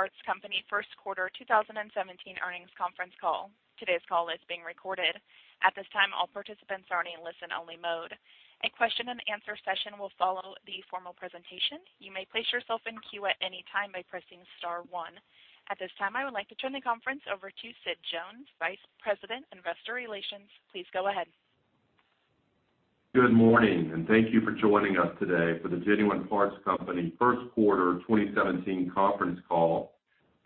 Genuine Parts Company first quarter 2017 earnings conference call. Today's call is being recorded. At this time, all participants are in listen-only mode. A question and answer session will follow the formal presentation. You may place yourself in queue at any time by pressing star one. At this time, I would like to turn the conference over to Sid Jones, Senior Vice President, Investor Relations. Please go ahead. Good morning. Thank you for joining us today for the Genuine Parts Company first quarter 2017 conference call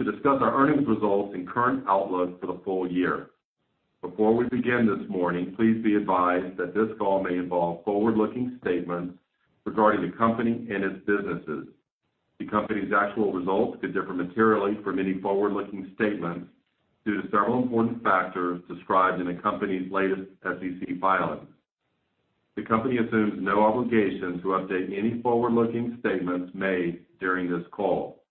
to discuss our earnings results and current outlook for the full year. Before we begin this morning, please be advised that this call may involve forward-looking statements regarding the company and its businesses. The company's actual results could differ materially from any forward-looking statements due to several important factors described in the company's latest SEC filings. The company assumes no obligation to update any forward-looking statements made during this call.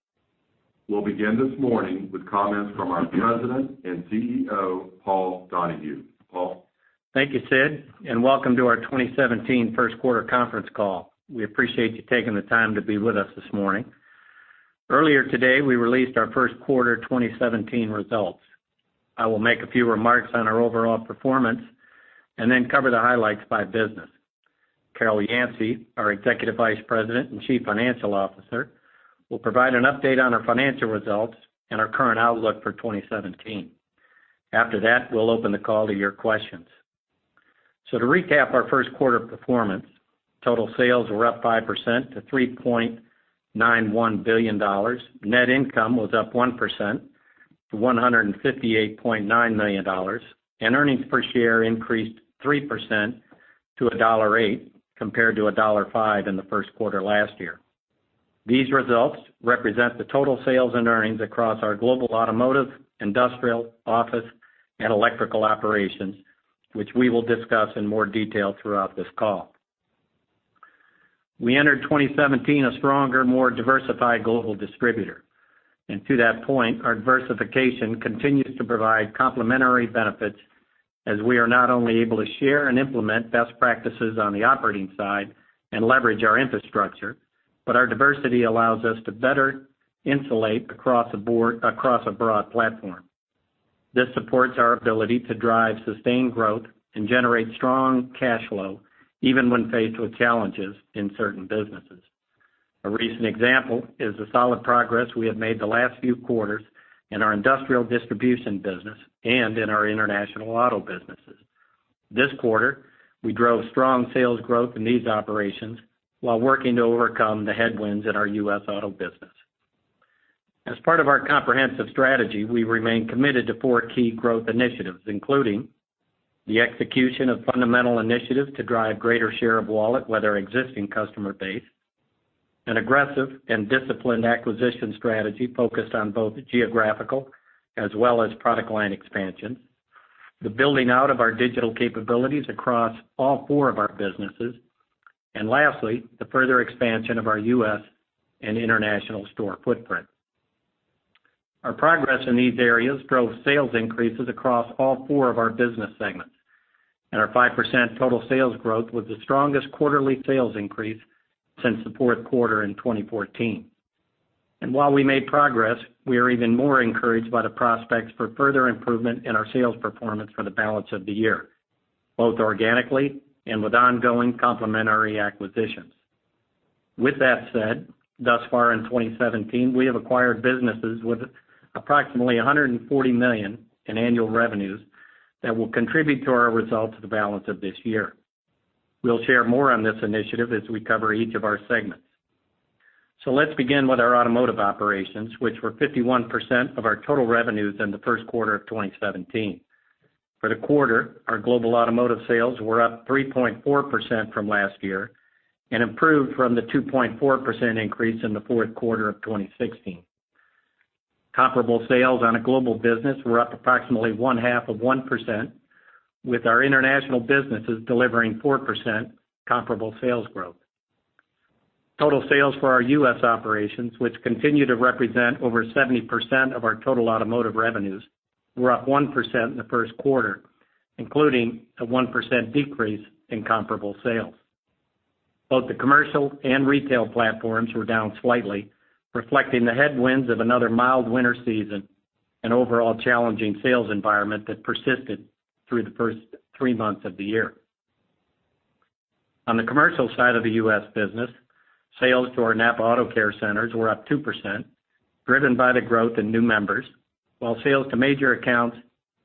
We'll begin this morning with comments from our President and Chief Executive Officer, Paul Donahue. Paul? Thank you, Sid. Welcome to our 2017 first quarter conference call. We appreciate you taking the time to be with us this morning. Earlier today, we released our first quarter 2017 results. I will make a few remarks on our overall performance and then cover the highlights by business. Carol Yancey, our Executive Vice President and Chief Financial Officer, will provide an update on our financial results and our current outlook for 2017. After that, we'll open the call to your questions. To recap our first quarter performance, total sales were up 5% to $3.91 billion. Net income was up 1% to $158.9 million, and earnings per share increased 3% to $1.08, compared to $1.05 in the first quarter last year. These results represent the total sales and earnings across our global Automotive, Industrial, Office, and Electrical operations, which we will discuss in more detail throughout this call. We entered 2017 a stronger, more diversified global distributor. To that point, our diversification continues to provide complementary benefits as we are not only able to share and implement best practices on the operating side and leverage our infrastructure, but our diversity allows us to better insulate across a broad platform. This supports our ability to drive sustained growth and generate strong cash flow even when faced with challenges in certain businesses. A recent example is the solid progress we have made the last few quarters in our industrial distribution business and in our international auto businesses. This quarter, we drove strong sales growth in these operations while working to overcome the headwinds in our U.S. auto business. As part of our comprehensive strategy, we remain committed to four key growth initiatives, including the execution of fundamental initiatives to drive greater share of wallet with our existing customer base, an aggressive and disciplined acquisition strategy focused on both geographical as well as product line expansion, the building out of our digital capabilities across all four of our businesses, and lastly, the further expansion of our U.S. and international store footprint. Our progress in these areas drove sales increases across all four of our business segments. Our 5% total sales growth was the strongest quarterly sales increase since the fourth quarter in 2014. While we made progress, we are even more encouraged by the prospects for further improvement in our sales performance for the balance of the year, both organically and with ongoing complementary acquisitions. With that said, thus far in 2017, we have acquired businesses with approximately $140 million in annual revenues that will contribute to our results for the balance of this year. We'll share more on this initiative as we cover each of our segments. Let's begin with our automotive operations, which were 51% of our total revenues in the first quarter of 2017. For the quarter, our global automotive sales were up 3.4% from last year and improved from the 2.4% increase in the fourth quarter of 2016. Comparable sales on a global business were up approximately one-half of 1%, with our international businesses delivering 4% comparable sales growth. Total sales for our U.S. operations, which continue to represent over 70% of our total automotive revenues, were up 1% in the first quarter, including a 1% decrease in comparable sales. Both the commercial and retail platforms were down slightly, reflecting the headwinds of another mild winter season and overall challenging sales environment that persisted through the first three months of the year. On the commercial side of the U.S. business, sales to our NAPA AutoCare centers were up 2%, driven by the growth in new members, while sales to major accounts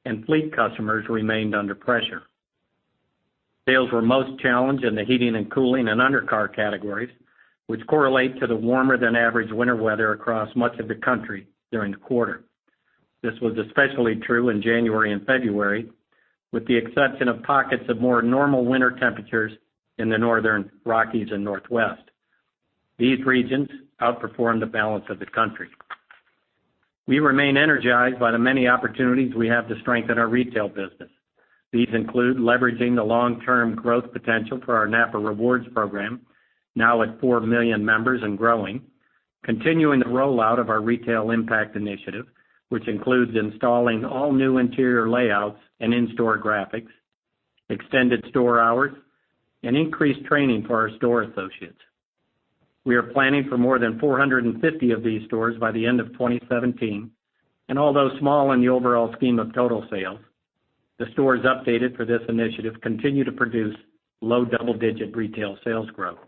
and fleet customers remained under pressure. Sales were most challenged in the heating and cooling and undercar categories, which correlate to the warmer-than-average winter weather across much of the country during the quarter. This was especially true in January and February, with the exception of pockets of more normal winter temperatures in the Northern Rockies and Northwest. These regions outperformed the balance of the country. We remain energized by the many opportunities we have to strengthen our retail business. These include leveraging the long-term growth potential for our NAPA Rewards program, now at 4 million members and growing. Continuing the rollout of our Retail Impact initiative, which includes installing all new interior layouts and in-store graphics, extended store hours, and increased training for our store associates. We are planning for more than 450 of these stores by the end of 2017. Although small in the overall scheme of total sales, the stores updated for this initiative continue to produce low double-digit retail sales growth.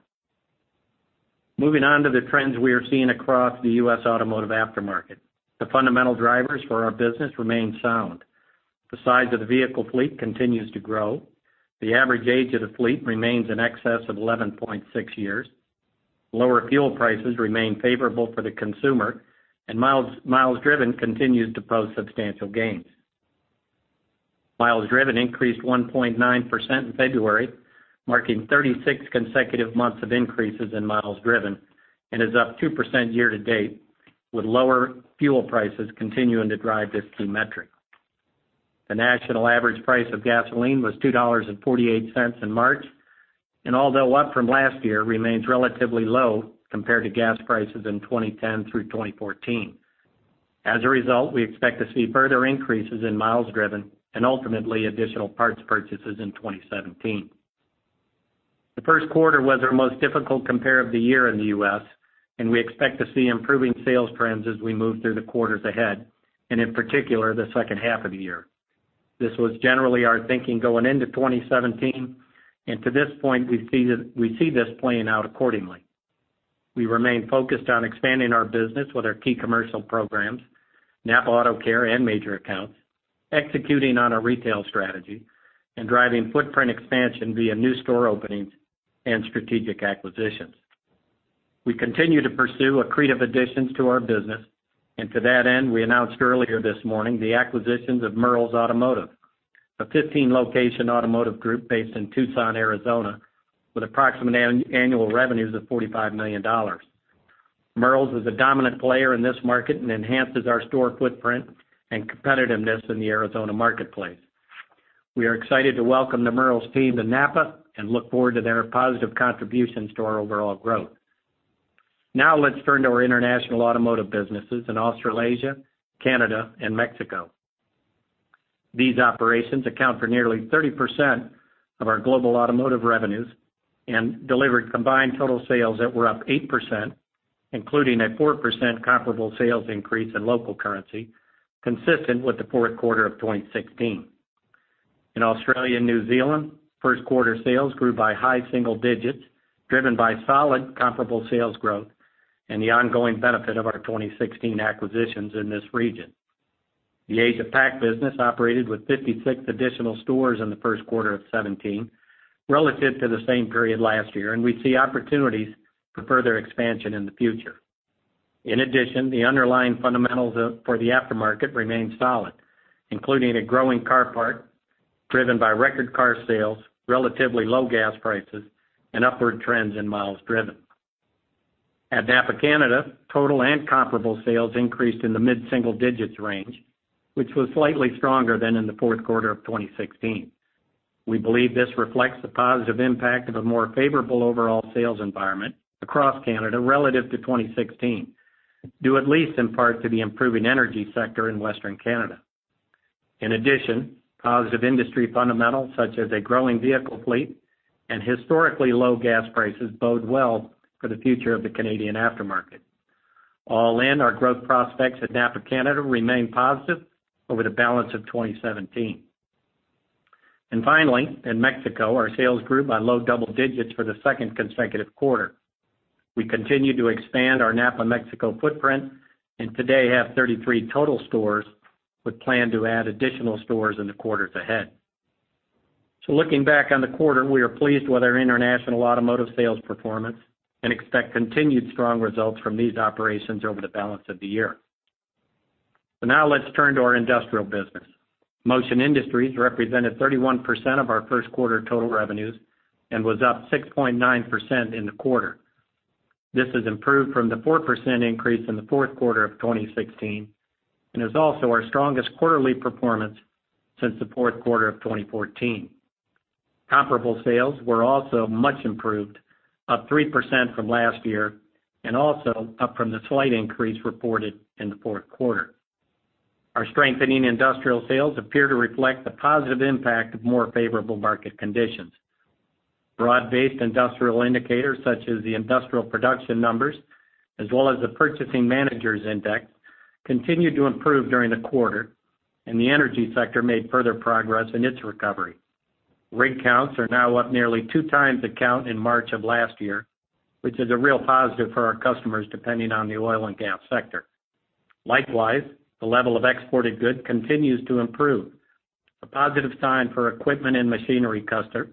Moving on to the trends we are seeing across the U.S. automotive aftermarket. The fundamental drivers for our business remain sound. The size of the vehicle fleet continues to grow. The average age of the fleet remains in excess of 11.6 years. Lower fuel prices remain favorable for the consumer, and miles driven continues to post substantial gains. Miles driven increased 1.9% in February, marking 36 consecutive months of increases in miles driven, and is up 2% year to date, with lower fuel prices continuing to drive this key metric. The national average price of gasoline was $2.48 in March, and although up from last year, remains relatively low compared to gas prices in 2010 through 2014. We expect to see further increases in miles driven, and ultimately, additional parts purchases in 2017. The first quarter was our most difficult compare of the year in the U.S., and we expect to see improving sales trends as we move through the quarters ahead, and in particular, the second half of the year. This was generally our thinking going into 2017, and to this point, we see this playing out accordingly. We remain focused on expanding our business with our key commercial programs, NAPA AutoCare, and major accounts, executing on our retail strategy, and driving footprint expansion via new store openings and strategic acquisitions. To that end, we announced earlier this morning the acquisitions of Merle's Automotive, a 15-location automotive group based in Tucson, Arizona, with approximate annual revenues of $45 million. Merle's is a dominant player in this market and enhances our store footprint and competitiveness in the Arizona marketplace. We are excited to welcome the Merle's team to NAPA and look forward to their positive contributions to our overall growth. Let's turn to our international automotive businesses in Australasia, Canada, and Mexico. These operations account for nearly 30% of our global automotive revenues and delivered combined total sales that were up 8%, including a 4% comparable sales increase in local currency, consistent with the fourth quarter of 2016. In Australia and New Zealand, first quarter sales grew by high single digits, driven by solid comparable sales growth and the ongoing benefit of our 2016 acquisitions in this region. The Asia Pac business operated with 56 additional stores in the first quarter of 2017 relative to the same period last year, and we see opportunities for further expansion in the future. The underlying fundamentals for the aftermarket remain solid, including a growing car part driven by record car sales, relatively low gas prices, and upward trends in miles driven. At NAPA Canada, total and comparable sales increased in the mid-single digits range, which was slightly stronger than in the fourth quarter of 2016. We believe this reflects the positive impact of a more favorable overall sales environment across Canada relative to 2016, due at least in part to the improving energy sector in Western Canada. Positive industry fundamentals such as a growing vehicle fleet and historically low gas prices bode well for the future of the Canadian aftermarket. Our growth prospects at NAPA Canada remain positive over the balance of 2017. Finally, in Mexico, our sales grew by low double digits for the second consecutive quarter. We continue to expand our NAPA Mexico footprint and today have 33 total stores, with plan to add additional stores in the quarters ahead. Looking back on the quarter, we are pleased with our international automotive sales performance and expect continued strong results from these operations over the balance of the year. Let's turn to our industrial business. Motion Industries represented 31% of our first quarter total revenues and was up 6.9% in the quarter. This has improved from the 4% increase in the fourth quarter of 2016 and is also our strongest quarterly performance since the fourth quarter of 2014. Comparable sales were also much improved, up 3% from last year, and also up from the slight increase reported in the fourth quarter. Our strengthening industrial sales appear to reflect the positive impact of more favorable market conditions. Broad-based industrial indicators such as the industrial production numbers as well as the Purchasing Managers' Index, continued to improve during the quarter, and the energy sector made further progress in its recovery. Rig counts are now up nearly two times the count in March of last year, which is a real positive for our customers depending on the oil and gas sector. Likewise, the level of exported goods continues to improve, a positive sign for equipment and machinery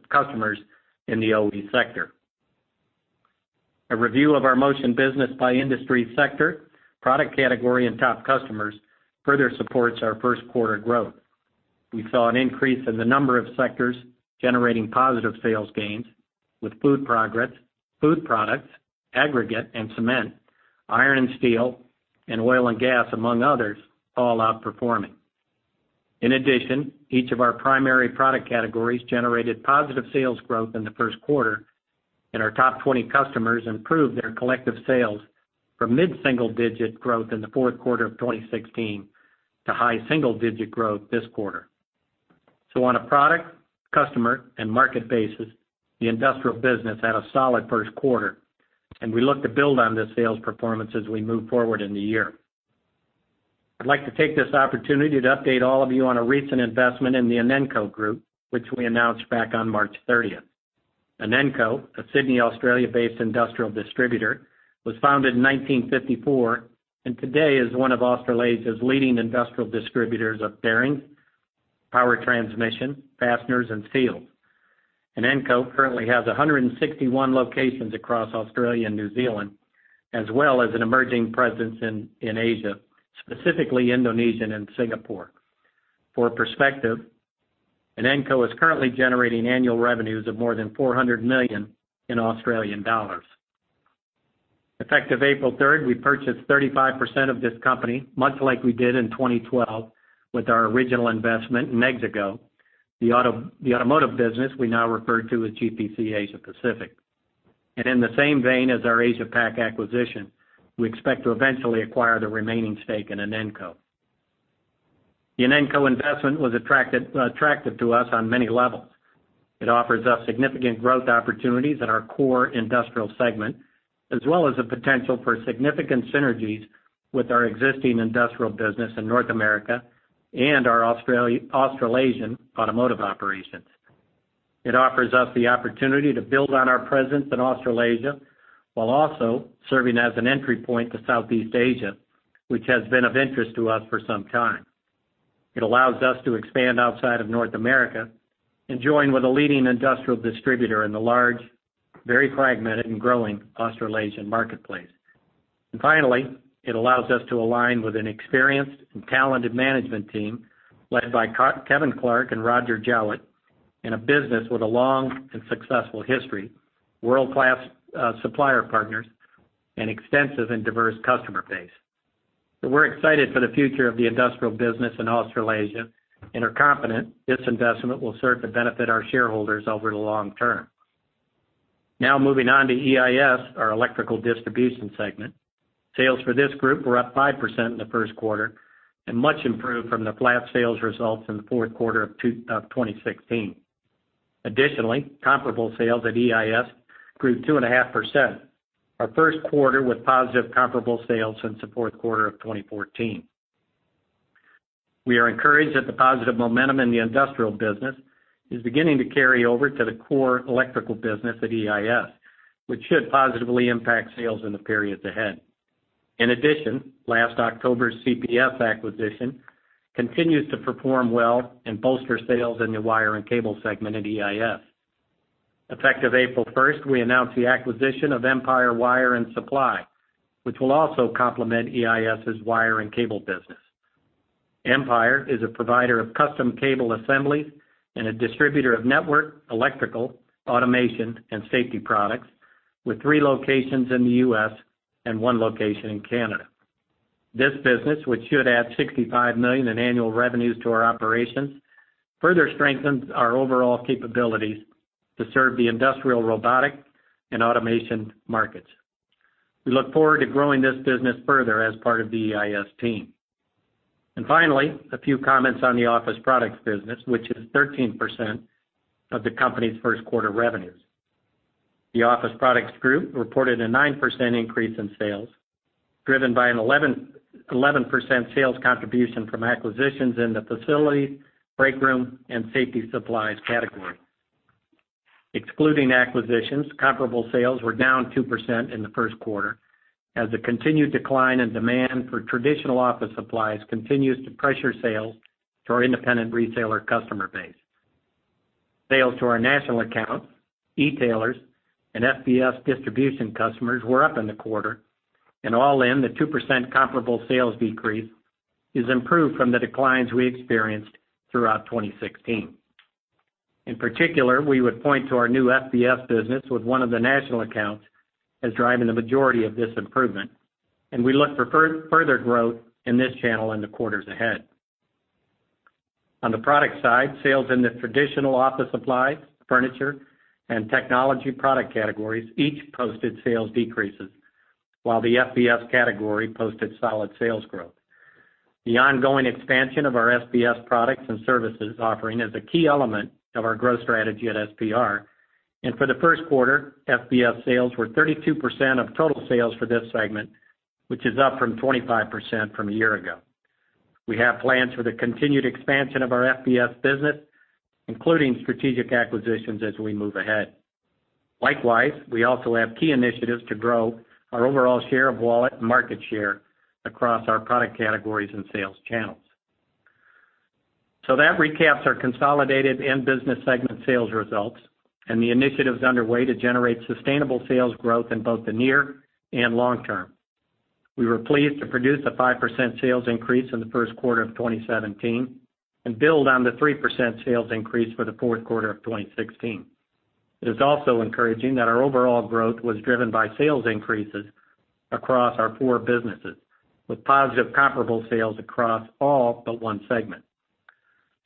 customers in the OE sector. A review of our Motion business by industry sector, product category, and top customers further supports our first quarter growth. We saw an increase in the number of sectors generating positive sales gains with food products, aggregate and cement, iron and steel, and oil and gas, among others, all outperforming. In addition, each of our primary product categories generated positive sales growth in the first quarter. Our top 20 customers improved their collective sales from mid-single-digit growth in the fourth quarter of 2016 to high single-digit growth this quarter. On a product, customer, and market basis, the industrial business had a solid first quarter, and we look to build on this sales performance as we move forward in the year. I'd like to take this opportunity to update all of you on a recent investment in the Inenco Group, which we announced back on March 30th. Inenco, a Sydney, Australia-based industrial distributor, was founded in 1954 and today is one of Australasia's leading industrial distributors of bearings, power transmission, fasteners, and seals. Inenco currently has 161 locations across Australia and New Zealand, as well as an emerging presence in Asia, specifically Indonesia and Singapore. For perspective, Inenco is currently generating annual revenues of more than 400 million. Effective April 3rd, we purchased 35% of this company, much like we did in 2012 with our original investment in Exego, the automotive business we now refer to as GPC Asia Pacific. In the same vein as our Asia Pac acquisition, we expect to eventually acquire the remaining stake in Inenco. The Inenco investment was attractive to us on many levels. It offers us significant growth opportunities in our core industrial segment, as well as the potential for significant synergies with our existing industrial business in North America and our Australasian automotive operations. It offers us the opportunity to build on our presence in Australasia, while also serving as an entry point to Southeast Asia, which has been of interest to us for some time. It allows us to expand outside of North America and join with a leading industrial distributor in the large, very fragmented, and growing Australasian marketplace. Finally, it allows us to align with an experienced and talented management team led by Kevin Clark and Roger Jowett, in a business with a long and successful history, world-class supplier partners, and extensive and diverse customer base. We're excited for the future of the industrial business in Australasia, and are confident this investment will serve to benefit our shareholders over the long term. Moving on to EIS, our electrical distribution segment. Sales for this group were up 5% in the first quarter and much improved from the flat sales results in the fourth quarter of 2016. Additionally, comparable sales at EIS grew 2.5%, our first quarter with positive comparable sales since the fourth quarter of 2014. We are encouraged that the positive momentum in the industrial business is beginning to carry over to the core electrical business at EIS, which should positively impact sales in the periods ahead. In addition, last October's CPS acquisition continues to perform well and bolster sales in the wire and cable segment at EIS. Effective April 1st, we announced the acquisition of Empire Wire and Supply, which will also complement EIS's wire and cable business. Empire is a provider of custom cable assemblies and a distributor of network, electrical, automation, and safety products with three locations in the U.S. and one location in Canada. This business, which should add $65 million in annual revenues to our operations, further strengthens our overall capabilities to serve the industrial robotic and automation markets. We look forward to growing this business further as part of the EIS team. Finally, a few comments on the Office Products business, which is 13% of the company's first quarter revenues. The Office Products group reported a 9% increase in sales, driven by an 11% sales contribution from acquisitions in the facility, breakroom, and safety supplies category. Excluding acquisitions, comparable sales were down 2% in the first quarter, as the continued decline in demand for traditional office supplies continues to pressure sales to our independent retailer customer base. Sales to our national accounts, e-tailers, and FBS distribution customers were up in the quarter, all in, the 2% comparable sales decrease is improved from the declines we experienced throughout 2016. In particular, we would point to our new FBS business with one of the national accounts as driving the majority of this improvement, we look for further growth in this channel in the quarters ahead. On the product side, sales in the traditional office supplies, furniture, and technology product categories each posted sales decreases, while the FBS category posted solid sales growth. The ongoing expansion of our FBS products and services offering is a key element of our growth strategy at S.P. Richards, for the first quarter, FBS sales were 32% of total sales for this segment, which is up from 25% from a year ago. We have plans for the continued expansion of our FBS business, including strategic acquisitions as we move ahead. Likewise, we also have key initiatives to grow our overall share of wallet market share across our product categories and sales channels. That recaps our consolidated end business segment sales results and the initiatives underway to generate sustainable sales growth in both the near and long term. We were pleased to produce a 5% sales increase in the first quarter of 2017 and build on the 3% sales increase for the fourth quarter of 2016. It is also encouraging that our overall growth was driven by sales increases across our four businesses, with positive comparable sales across all but one segment.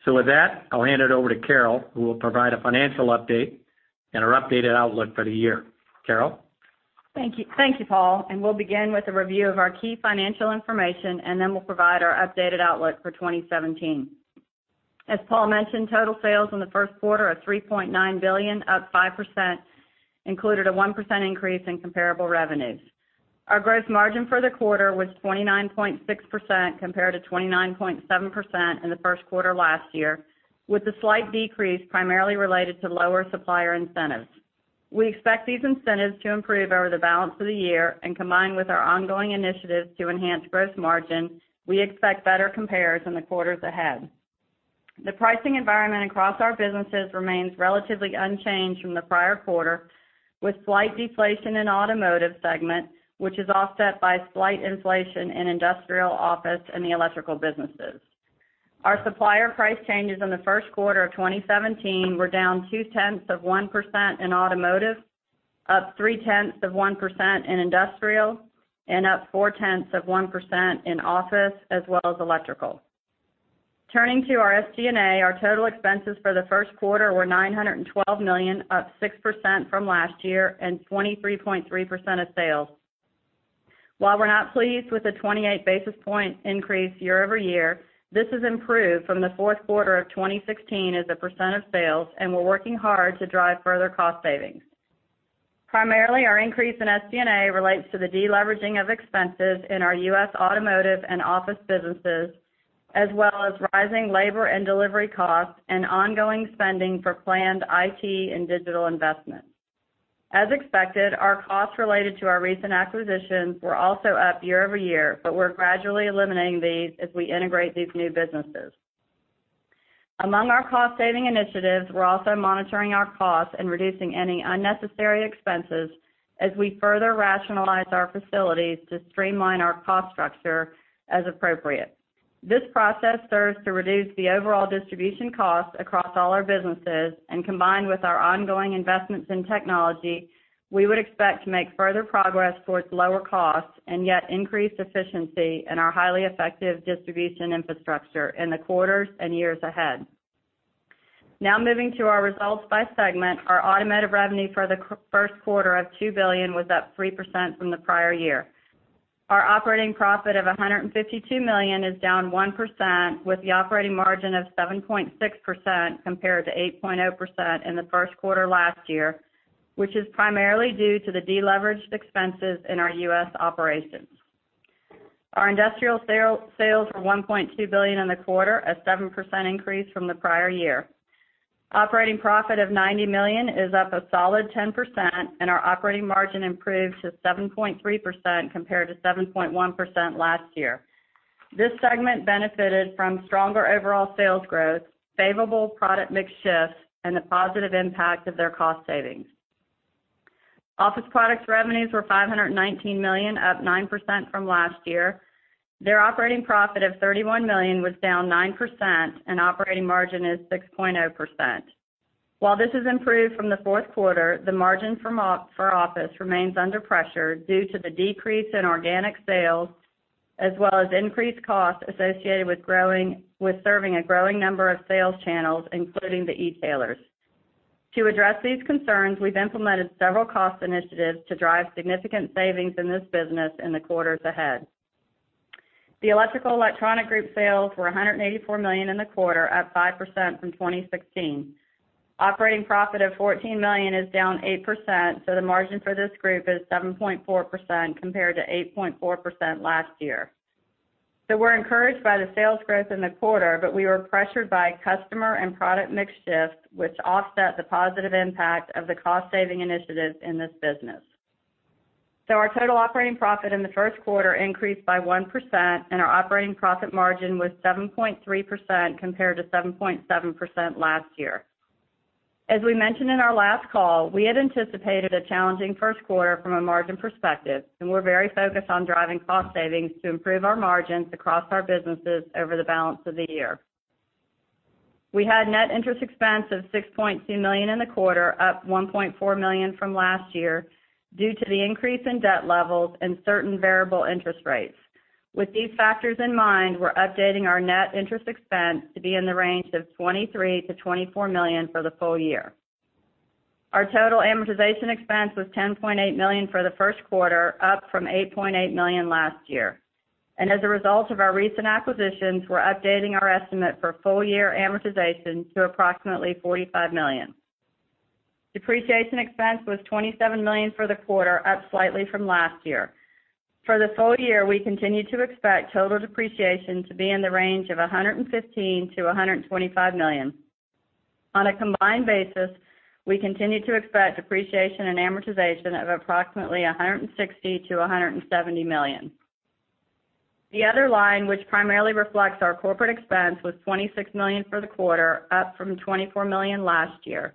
With that, I'll hand it over to Carol, who will provide a financial update and our updated outlook for the year. Carol? Thank you, Paul. We'll begin with a review of our key financial information, and then we'll provide our updated outlook for 2017. As Paul mentioned, total sales in the first quarter of $3.9 billion, up 5%, included a 1% increase in comparable revenues. Our gross margin for the quarter was 29.6% compared to 29.7% in the first quarter last year, with a slight decrease primarily related to lower supplier incentives. We expect these incentives to improve over the balance of the year and combined with our ongoing initiatives to enhance gross margin, we expect better compares in the quarters ahead. The pricing environment across our businesses remains relatively unchanged from the prior quarter, with slight deflation in Automotive segment, which is offset by slight inflation in Industrial, Office, and the Electrical businesses. Our supplier price changes in the first quarter of 2017 were down two-tenths of 1% in Automotive, up three-tenths of 1% in Industrial, and up four-tenths of 1% in Office as well as Electrical. Turning to our SG&A, our total expenses for the first quarter were $912 million, up 6% from last year and 23.3% of sales. While we're not pleased with the 28 basis point increase year-over-year, this has improved from the fourth quarter of 2016 as a % of sales, and we're working hard to drive further cost savings. Primarily, our increase in SG&A relates to the de-leveraging of expenses in our U.S. Automotive and Office businesses, as well as rising labor and delivery costs and ongoing spending for planned IT and digital investments. As expected, our costs related to our recent acquisitions were also up year-over-year, but we're gradually eliminating these as we integrate these new businesses. Among our cost-saving initiatives, we're also monitoring our costs and reducing any unnecessary expenses as we further rationalize our facilities to streamline our cost structure as appropriate. This process serves to reduce the overall distribution costs across all our businesses, and combined with our ongoing investments in technology, we would expect to make further progress towards lower costs and yet increased efficiency in our highly effective distribution infrastructure in the quarters and years ahead. Moving to our results by segment. Our Automotive revenue for the first quarter of $2 billion was up 3% from the prior year. Our operating profit of $152 million is down 1%, with the operating margin of 7.6% compared to 8.0% in the first quarter last year, which is primarily due to the de-leveraged expenses in our U.S. operations. Our industrial sales were $1.2 billion in the quarter, a 7% increase from the prior year. Operating profit of $90 million is up a solid 10%, and our operating margin improved to 7.3% compared to 7.1% last year. This segment benefited from stronger overall sales growth, favorable product mix shifts, and the positive impact of their cost savings. S.P. Richards revenues were $519 million, up 9% from last year. Their operating profit of $31 million was down 9%, and operating margin is 6.0%. While this has improved from the fourth quarter, the margin for S.P. Richards remains under pressure due to the decrease in organic sales, as well as increased costs associated with serving a growing number of sales channels, including the e-tailers. To address these concerns, we've implemented several cost initiatives to drive significant savings in this business in the quarters ahead. The EIS sales were $184 million in the quarter, up 5% from 2016. Operating profit of $14 million is down 8%, the margin for this group is 7.4% compared to 8.4% last year. We're encouraged by the sales growth in the quarter, but we were pressured by customer and product mix shift, which offset the positive impact of the cost-saving initiatives in this business. Our total operating profit in the first quarter increased by 1%, and our operating profit margin was 7.3% compared to 7.7% last year. As we mentioned in our last call, we had anticipated a challenging first quarter from a margin perspective, and we're very focused on driving cost savings to improve our margins across our businesses over the balance of the year. We had net interest expense of $6.2 million in the quarter, up $1.4 million from last year due to the increase in debt levels and certain variable interest rates. With these factors in mind, we're updating our net interest expense to be in the range of $23 million-$24 million for the full year. Our total amortization expense was $10.8 million for the first quarter, up from $8.8 million last year. As a result of our recent acquisitions, we're updating our estimate for full year amortization to approximately $45 million. Depreciation expense was $27 million for the quarter, up slightly from last year. For the full year, we continue to expect total depreciation to be in the range of $115 million-$125 million. On a combined basis, we continue to expect depreciation and amortization of approximately $160 million-$170 million. The other line, which primarily reflects our corporate expense, was $26 million for the quarter, up from $24 million last year,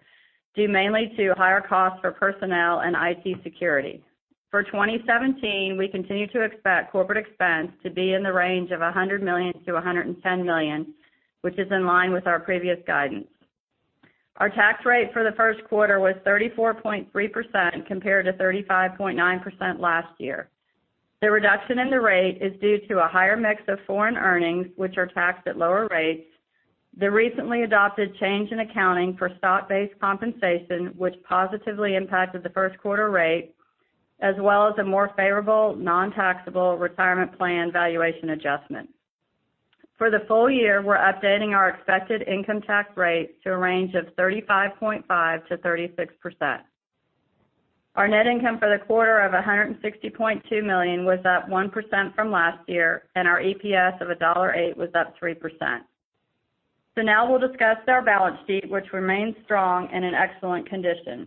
due mainly to higher costs for personnel and IT security. For 2017, we continue to expect corporate expense to be in the range of $100 million-$110 million, which is in line with our previous guidance. Our tax rate for the first quarter was 34.3% compared to 35.9% last year. The reduction in the rate is due to a higher mix of foreign earnings, which are taxed at lower rates, the recently adopted change in accounting for stock-based compensation, which positively impacted the first quarter rate, as well as a more favorable non-taxable retirement plan valuation adjustment. For the full year, we're updating our expected income tax rate to a range of 35.5%-36%. Our net income for the quarter of $160.2 million was up 1% from last year, and our EPS of $1.08 was up 3%. Now we'll discuss our balance sheet, which remains strong and in excellent condition.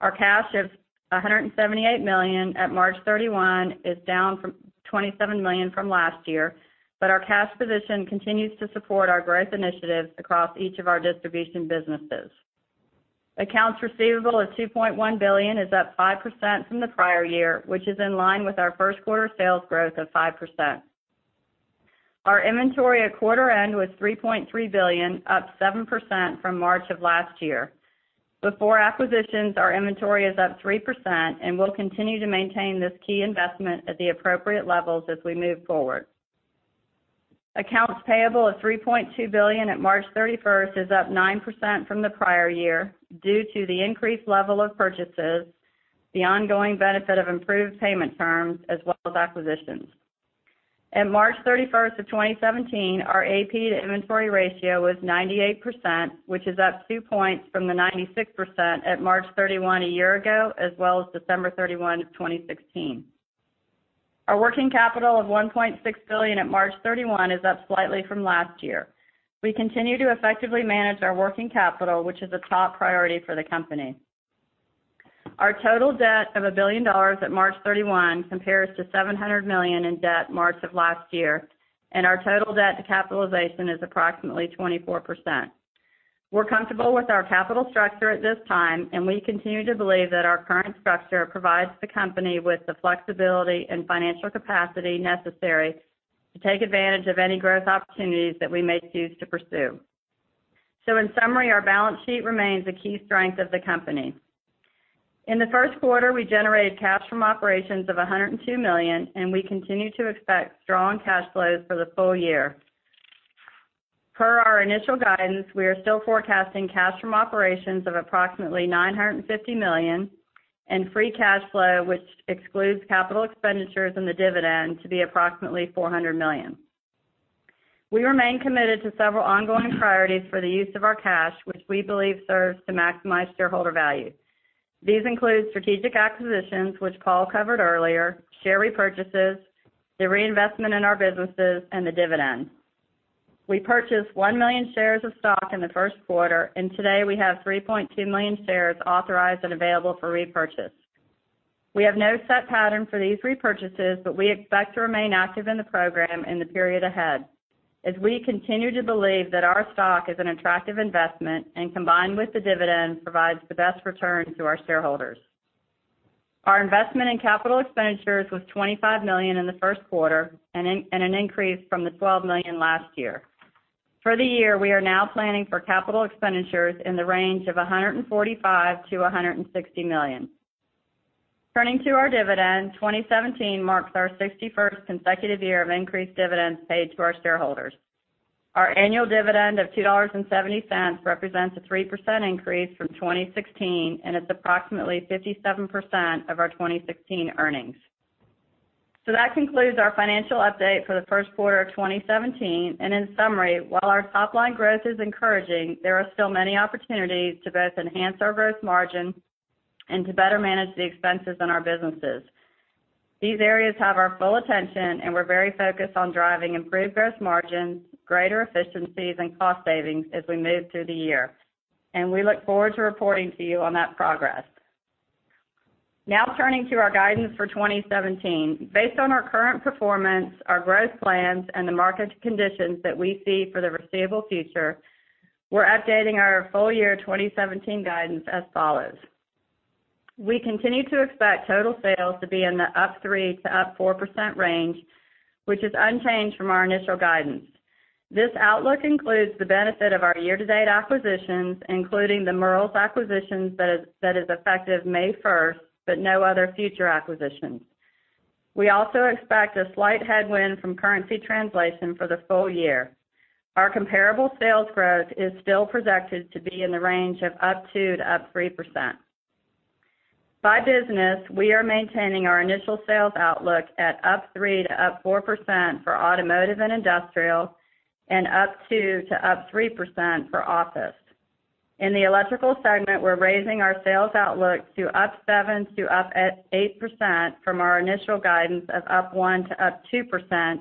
Our cash of $178 million at March 31 is down from $207 million from last year, but our cash position continues to support our growth initiatives across each of our distribution businesses. Accounts receivable of $2.1 billion is up 5% from the prior year, which is in line with our first quarter sales growth of 5%. Our inventory at quarter end was $3.3 billion, up 7% from March of last year. Before acquisitions, our inventory is up 3%, and we'll continue to maintain this key investment at the appropriate levels as we move forward. Accounts payable of $3.2 billion at March 31st is up 9% from the prior year due to the increased level of purchases, the ongoing benefit of improved payment terms, as well as acquisitions. At March 31st, 2017, our AP to inventory ratio was 98%, which is up two points from the 96% at March 31 a year ago, as well as December 31, 2016. Our working capital of $1.6 billion at March 31 is up slightly from last year. We continue to effectively manage our working capital, which is a top priority for the company. Our total debt of $1 billion at March 31 compares to $700 million in debt March of last year, and our total debt to capitalization is approximately 24%. We're comfortable with our capital structure at this time, and we continue to believe that our current structure provides the company with the flexibility and financial capacity necessary to take advantage of any growth opportunities that we may choose to pursue. In summary, our balance sheet remains a key strength of the company. In the first quarter, we generated cash from operations of $102 million, and we continue to expect strong cash flows for the full year. Per our initial guidance, we are still forecasting cash from operations of approximately $950 million, and free cash flow, which excludes capital expenditures and the dividend, to be approximately $400 million. We remain committed to several ongoing priorities for the use of our cash, which we believe serves to maximize shareholder value. These include strategic acquisitions, which Paul covered earlier, share repurchases, the reinvestment in our businesses, and the dividend. We purchased 1 million shares of stock in the first quarter, and today we have 3.2 million shares authorized and available for repurchase. We have no set pattern for these repurchases, but we expect to remain active in the program in the period ahead, as we continue to believe that our stock is an attractive investment, and combined with the dividend, provides the best return to our shareholders. Our investment in capital expenditures was $25 million in the first quarter and an increase from the $12 million last year. For the year, we are now planning for capital expenditures in the range of $145 million-$160 million. Turning to our dividend, 2017 marks our 61st consecutive year of increased dividends paid to our shareholders. Our annual dividend of $2.70 represents a 3% increase from 2016, and it's approximately 57% of our 2016 earnings. That concludes our financial update for the first quarter of 2017. In summary, while our top-line growth is encouraging, there are still many opportunities to both enhance our gross margin and to better manage the expenses in our businesses. These areas have our full attention, and we're very focused on driving improved gross margins, greater efficiencies, and cost savings as we move through the year. We look forward to reporting to you on that progress. Now turning to our guidance for 2017. Based on our current performance, our growth plans, and the market conditions that we see for the foreseeable future, we're updating our full year 2017 guidance as follows. We continue to expect total sales to be in the up 3% to up 4% range, which is unchanged from our initial guidance. This outlook includes the benefit of our year-to-date acquisitions, including the Merle's acquisitions that is effective May 1st, but no other future acquisitions. We also expect a slight headwind from currency translation for the full year. Our comparable sales growth is still projected to be in the range of up 2% to up 3%. By business, we are maintaining our initial sales outlook at up 3% to up 4% for automotive and industrial, and up 2% to up 3% for office. In the electrical segment, we're raising our sales outlook to up 7% to up 8% from our initial guidance of up 1% to up 2%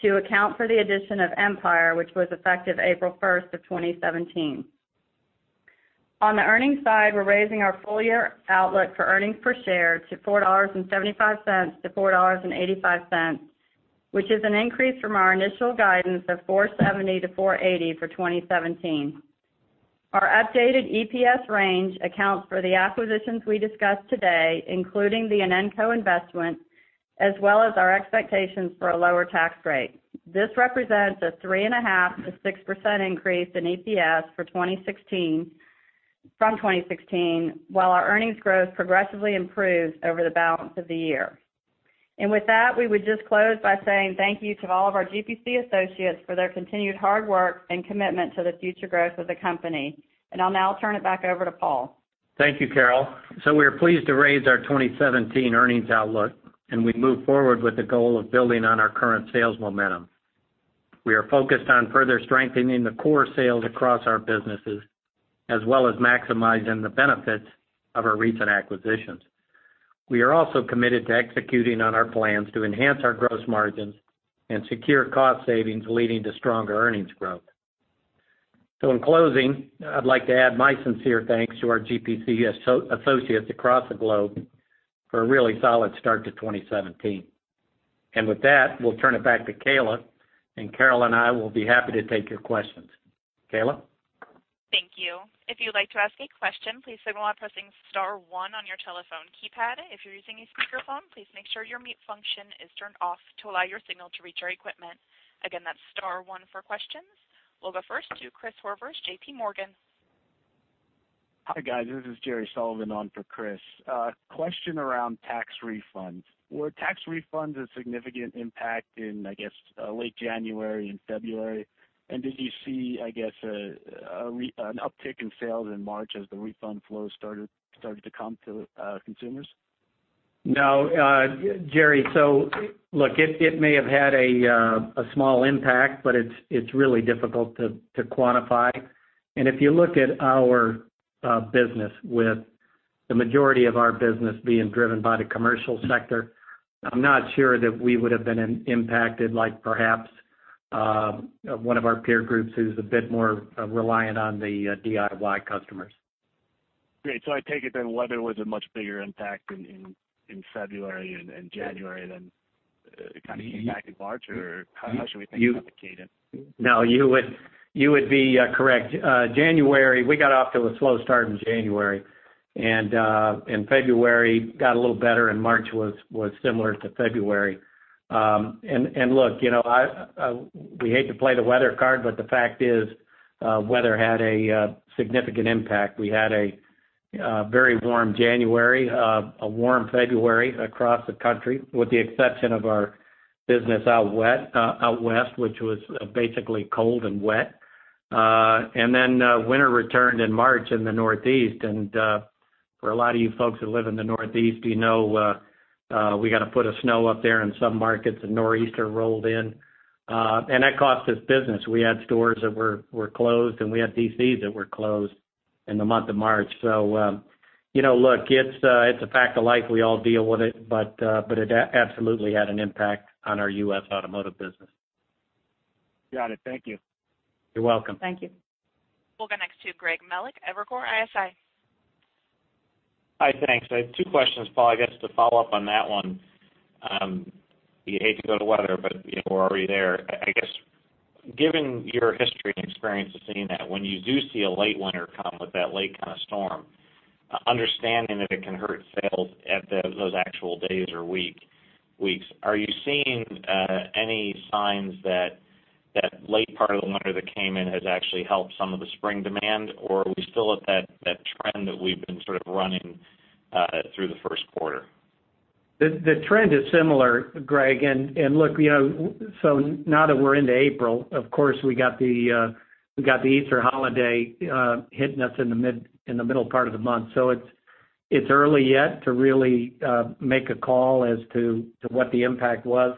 to account for the addition of Empire, which was effective April 1st of 2017. On the earnings side, we're raising our full year outlook for earnings per share to $4.75-$4.85, which is an increase from our initial guidance of $4.70-$4.80 for 2017. Our updated EPS range accounts for the acquisitions we discussed today, including the Inenco investment, as well as our expectations for a lower tax rate. This represents a 3.5%-6% increase in EPS from 2016, while our earnings growth progressively improves over the balance of the year. With that, we would just close by saying thank you to all of our GPC associates for their continued hard work and commitment to the future growth of the company. I'll now turn it back over to Paul. Thank you, Carol. We are pleased to raise our 2017 earnings outlook. We move forward with the goal of building on our current sales momentum. We are focused on further strengthening the core sales across our businesses, as well as maximizing the benefits of our recent acquisitions. We are also committed to executing on our plans to enhance our gross margins and secure cost savings, leading to stronger earnings growth. In closing, I'd like to add my sincere thanks to our GPC associates across the globe for a really solid start to 2017. With that, we'll turn it back to Kayla. Carol and I will be happy to take your questions. Kayla? Thank you. If you'd like to ask a question, please signal by pressing star one on your telephone keypad. If you're using a speakerphone, please make sure your mute function is turned off to allow your signal to reach our equipment. Again, that's star one for questions. We'll go first to Christopher Horvers, J.P. Morgan. Hi, guys. This is Jerry Sullivan on for Chris. A question around tax refunds. Were tax refunds a significant impact in, I guess, late January and February? Did you see, I guess, an uptick in sales in March as the refund flow started to come to consumers? No. Jerry, look, it may have had a small impact, but it's really difficult to quantify. If you look at our business, with the majority of our business being driven by the commercial sector, I'm not sure that we would've been impacted like perhaps one of our peer groups who's a bit more reliant on the DIY customers. I take it then weather was a much bigger impact in February and January than it kind of came back in March or how should we think about the cadence? No, you would be correct. We got off to a slow start in January, and in February got a little better, and March was similar to February. Look, we hate to play the weather card, but the fact is, weather had a significant impact. We had a very warm January, a warm February across the country, with the exception of our business out west, which was basically cold and wet. Then winter returned in March in the Northeast, and for a lot of you folks who live in the Northeast, you know we got a foot of snow up there in some markets, a nor'easter rolled in. That cost us business. We had stores that were closed, and we had DCs that were closed in the month of March. Look, it's a fact of life. We all deal with it, but it absolutely had an impact on our U.S. automotive business. Got it. Thank you. You're welcome. Thank you. We'll go next to Greg Melich, Evercore ISI. Hi, thanks. I have two questions, Paul. I guess to follow up on that one, you hate to go to weather, but we're already there. I guess, given your history and experience of seeing that when you do see a late winter come with that late kind of storm, understanding that it can hurt sales at those actual days or weeks, are you seeing any signs that that late part of the winter that came in has actually helped some of the spring demand, or are we still at that trend that we've been sort of running through the first quarter? Look, now that we're into April, of course, we got the Easter holiday hitting us in the middle part of the month. It's early yet to really make a call as to what the impact was.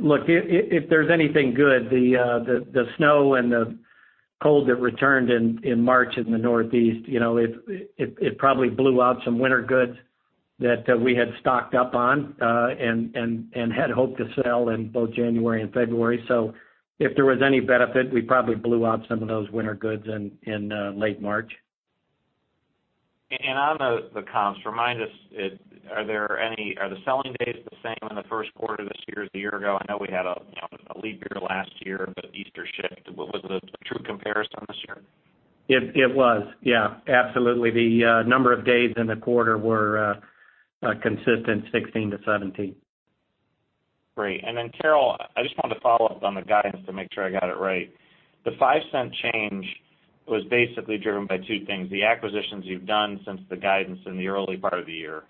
Look, if there's anything good, the snow and the cold that returned in March in the Northeast, it probably blew out some winter goods that we had stocked up on and had hoped to sell in both January and February. If there was any benefit, we probably blew out some of those winter goods in late March. On the comps, remind us, are the selling days the same in the first quarter of this year as a year ago? I know we had a leap year last year, but Easter shift. Was it a true comparison this year? It was. Yeah, absolutely. The number of days in the quarter were consistent 2016 to 2017. Great. Carol, I just wanted to follow up on the guidance to make sure I got it right. The $0.05 change was basically driven by two things, the acquisitions you've done since the guidance in the early part of the year,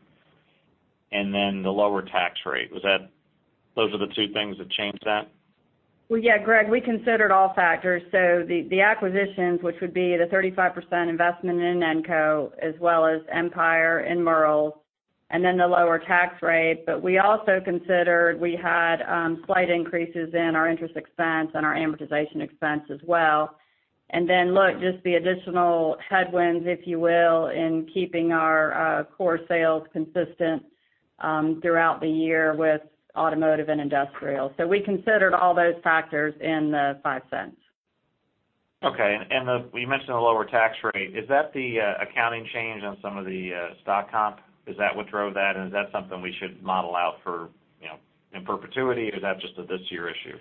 and then the lower tax rate. Those are the two things that changed that? Greg, we considered all factors. The acquisitions, which would be the 35% investment in Inenco as well as Empire and Merle's, the lower tax rate. We also considered we had slight increases in our interest expense and our amortization expense as well. Look, just the additional headwinds, if you will, in keeping our core sales consistent throughout the year with automotive and industrial. We considered all those factors in the $0.05. You mentioned a lower tax rate. Is that the accounting change on some of the stock comp? Is that what drove that, is that something we should model out in perpetuity, or is that just a this year issue?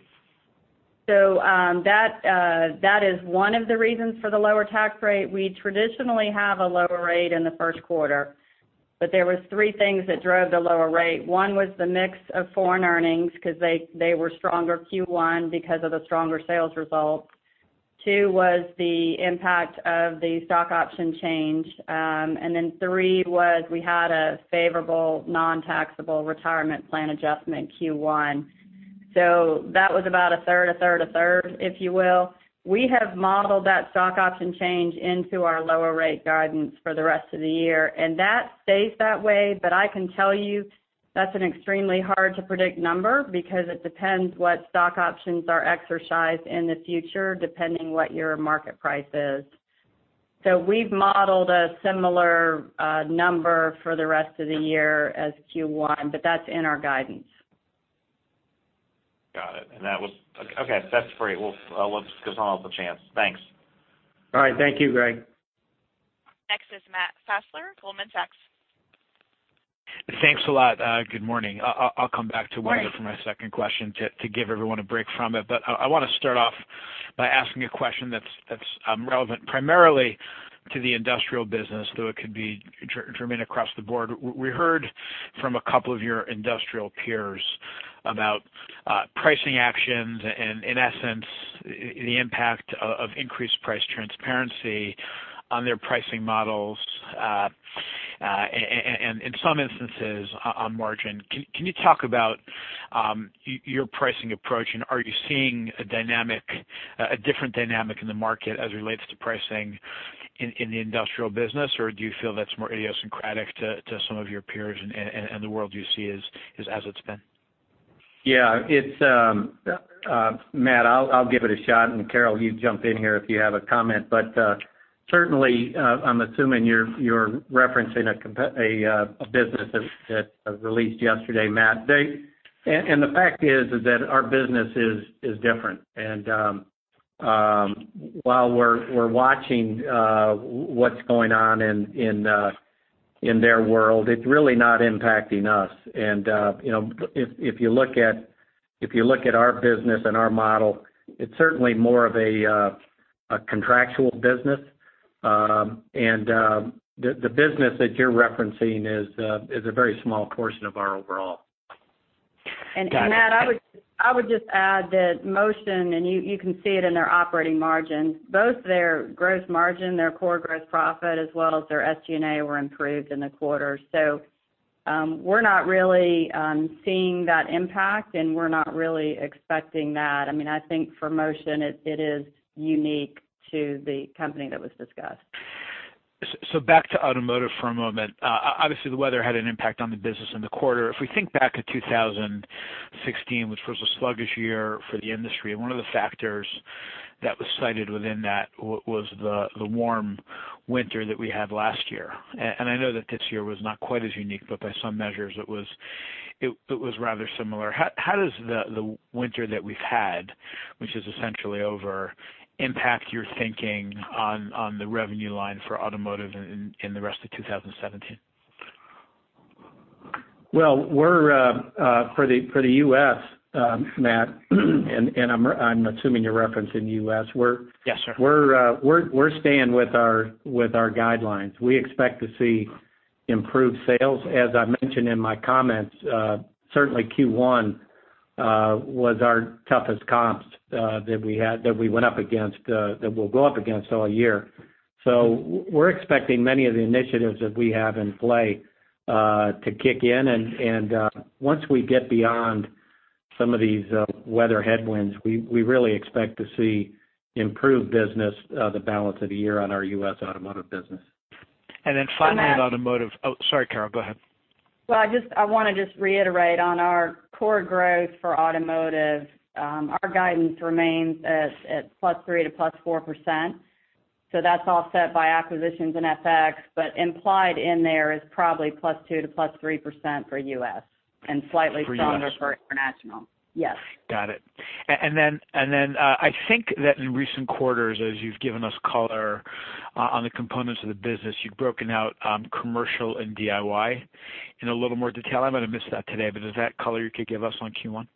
That is one of the reasons for the lower tax rate. We traditionally have a lower rate in the first quarter. There were three things that drove the lower rate. One was the mix of foreign earnings, because they were stronger Q1 because of the stronger sales results. Two was the impact of the stock option change. Three was we had a favorable nontaxable retirement plan adjustment Q1. That was about a third, a third, a third, if you will. We have modeled that stock option change into our lower rate guidance for the rest of the year, that stays that way. I can tell you that's an extremely hard-to-predict number because it depends what stock options are exercised in the future, depending what your market price is. We've modeled a similar number for the rest of the year as Q1, that's in our guidance. Got it. Okay, that's great. We'll give someone else a chance. Thanks. All right. Thank you, Greg. Next is Matt Fassler, Goldman Sachs. Thanks a lot. Good morning. I'll come back. Good morning I want to start off by asking a question that's relevant primarily to the industrial business, though it could be germane across the board. We heard from a couple of your industrial peers about pricing actions and, in essence, the impact of increased price transparency on their pricing models, and in some instances, on margin. Can you talk about your pricing approach, and are you seeing a different dynamic in the market as it relates to pricing in the industrial business, or do you feel that's more idiosyncratic to some of your peers and the world you see is as it's been? Yeah. Matt, I'll give it a shot, Carol, you jump in here if you have a comment. Certainly, I'm assuming you're referencing a business that released yesterday, Matt. The fact is that our business is different. While we're watching what's going on in their world, it's really not impacting us. If you look at our business and our model, it's certainly more of a contractual business. The business that you're referencing is a very small portion of our overall. Got it. Matt, I would just add that Motion, and you can see it in their operating margins. Both their gross margin, their core gross profit, as well as their SG&A were improved in the quarter. We're not really seeing that impact, and we're not really expecting that. I think for Motion, it is unique to the company that was discussed. Back to automotive for a moment. Obviously, the weather had an impact on the business in the quarter. If we think back to 2016, which was a sluggish year for the industry, and one of the factors that was cited within that was the warm winter that we had last year. I know that this year was not quite as unique, but by some measures, it was rather similar. How does the winter that we've had, which is essentially over, impact your thinking on the revenue line for automotive in the rest of 2017? Well, for the U.S., Matt, I'm assuming you're referencing the U.S.- Yes, sir We're staying with our guidelines. We expect to see improved sales. As I mentioned in my comments, certainly Q1 was our toughest comps that we went up against, that we'll go up against all year. We're expecting many of the initiatives that we have in play to kick in. Once we get beyond some of these weather headwinds, we really expect to see improved business the balance of the year on our U.S. automotive business. Finally. Matt. On automotive. Oh, sorry, Carol. Go ahead. I want to just reiterate on our core growth for automotive. Our guidance remains at 3% to 4%. That's offset by acquisitions and FX, but implied in there is probably 2% to 3% for U.S. and slightly stronger- For U.S. for international. Yes. Got it. I think that in recent quarters, as you've given us color on the components of the business, you've broken out commercial and DIY in a little more detail. I might have missed that today, but is that color you could give us on Q1?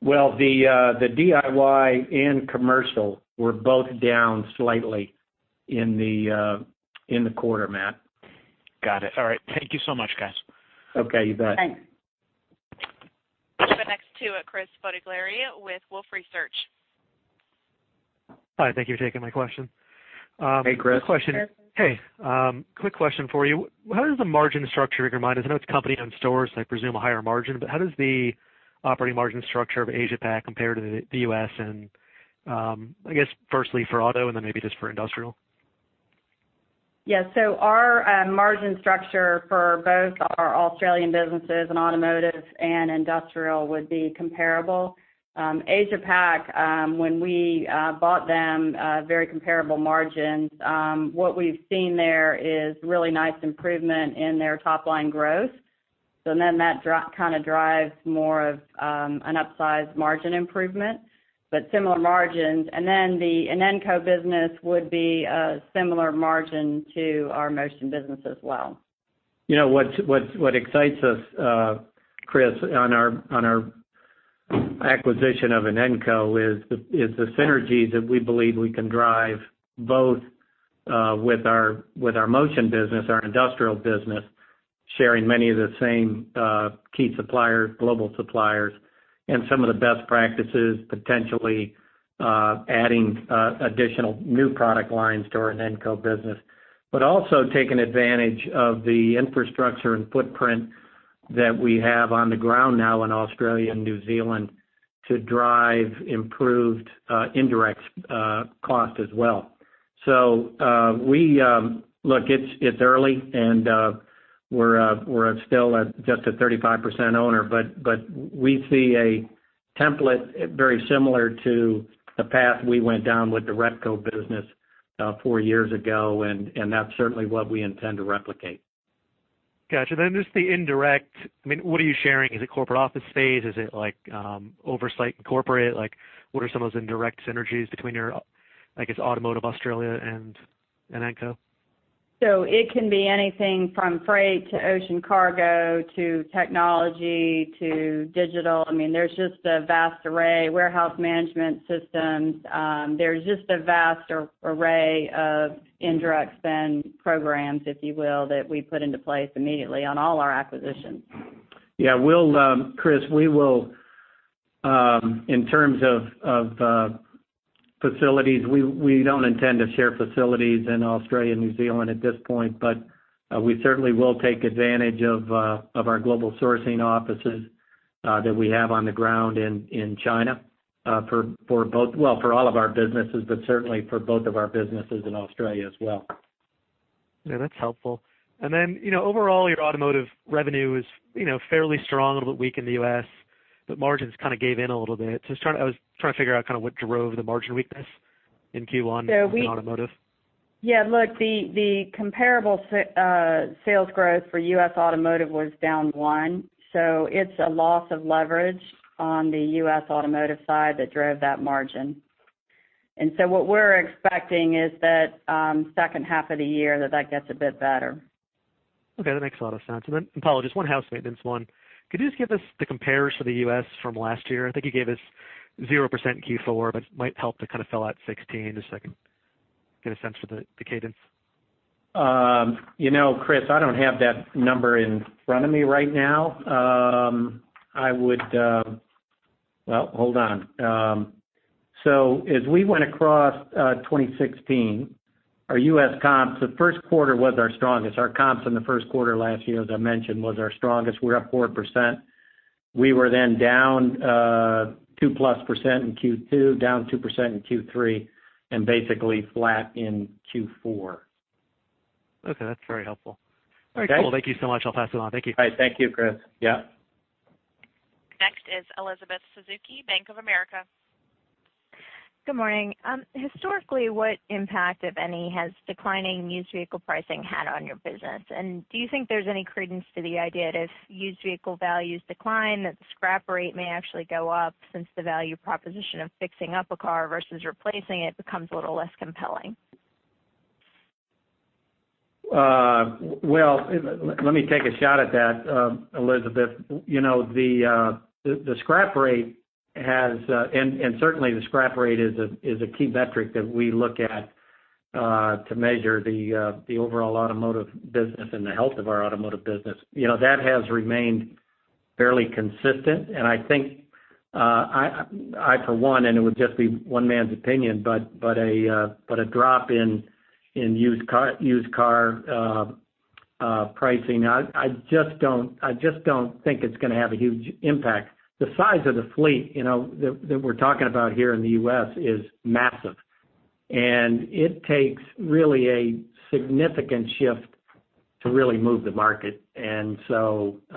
Well, the DIY and commercial were both down slightly in the quarter, Matt. Got it. All right. Thank you so much, guys. Okay, you bet. Thanks. The next to Chris Bottiglieri with Wolfe Research. Hi, thank you for taking my question. Hey, Chris. Chris. Hey. Quick question for you. How does the margin structure, I know it's company owned stores, I presume a higher margin, but how does the operating margin structure of Asia-Pac compare to the U.S. and I guess firstly for auto and then maybe just for industrial? Yeah. Our margin structure for both our Australian businesses and automotive and industrial would be comparable. Asia-Pac, when we bought them, very comparable margins. What we've seen there is really nice improvement in their top-line growth. That kind of drives more of an upsize margin improvement, but similar margins. The Inenco business would be a similar margin to our Motion business as well. What excites us, Chris, on our acquisition of Inenco is the synergies that we believe we can drive both with our motion business, our industrial business, sharing many of the same key suppliers, global suppliers, and some of the best practices, potentially adding additional new product lines to our Inenco business. Also taking advantage of the infrastructure and footprint that we have on the ground now in Australia and New Zealand to drive improved indirect cost as well. Look, it's early, and we're still at just a 35% owner, but we see a template very similar to the path we went down with the Repco business four years ago, and that's certainly what we intend to replicate. Got you. Just the indirect, what are you sharing? Is it corporate office space? Is it oversight incorporated? What are some of those indirect synergies between your, I guess, Automotive Australia and Inenco? It can be anything from freight to ocean cargo, to technology to digital. There's just a vast array. Warehouse management systems. There's just a vast array of indirect spend programs, if you will, that we put into place immediately on all our acquisitions. Chris, in terms of facilities, we don't intend to share facilities in Australia and New Zealand at this point, but we certainly will take advantage of our global sourcing offices that we have on the ground in China for all of our businesses, but certainly for both of our businesses in Australia as well. Yeah, that's helpful. Overall, your automotive revenue is fairly strong, a little bit weak in the U.S., but margins kind of gave in a little bit. I was trying to figure out what drove the margin weakness in Q1 in automotive. Yeah. Look, the comparable sales growth for U.S. Automotive was down 1, it's a loss of leverage on the U.S. Automotive side that drove that margin. What we're expecting is that second half of the year, that gets a bit better. Okay. That makes a lot of sense. Apologies, one house maintenance 1. Could you just give us the compares for the U.S. from last year? I think you gave us 0% Q4, but it might help to kind of fill out 2016 just so I can get a sense for the cadence. Chris, I don't have that number in front of me right now. Hold on. As we went across 2016, our U.S. comps, the first quarter was our strongest. Our comps in the first quarter last year, as I mentioned, was our strongest. We're up 4%. We were then down 2-plus percent in Q2, down 2% in Q3, and basically flat in Q4. Okay. That's very helpful. Okay. All right, cool. Thank you so much. I'll pass it on. Thank you. All right. Thank you, Chris. Yeah. Next is Elizabeth Suzuki, Bank of America. Good morning. Historically, what impact, if any, has declining used vehicle pricing had on your business? Do you think there's any credence to the idea that if used vehicle values decline, that the scrap rate may actually go up since the value proposition of fixing up a car versus replacing it becomes a little less compelling? Well, let me take a shot at that, Elizabeth. Certainly, the scrap rate is a key metric that we look at to measure the overall automotive business and the health of our automotive business. That has remained fairly consistent, and I think I, for one, and it would just be one man's opinion, but a drop in used car pricing, I just don't think it's going to have a huge impact. The size of the fleet that we're talking about here in the U.S. is massive, and it takes really a significant shift to really move the market. We don't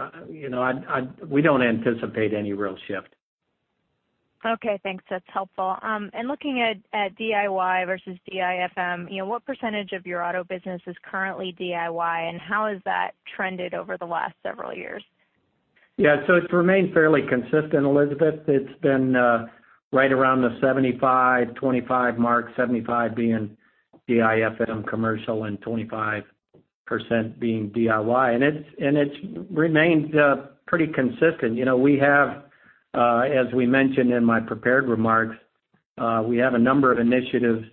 anticipate any real shift. Okay, thanks. That's helpful. Looking at DIY versus DIFM, what % of your auto business is currently DIY, and how has that trended over the last several years? Yeah. It's remained fairly consistent, Elizabeth. It's been right around the 75/25 mark, 75 being DIFM commercial and 25% being DIY. It's remained pretty consistent. As we mentioned in my prepared remarks, we have a number of initiatives